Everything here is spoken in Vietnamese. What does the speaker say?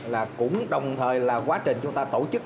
là cũng đồng thời là quá trình chúng ta tổ chức